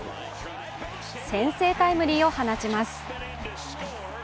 先制タイムリーを放ちます。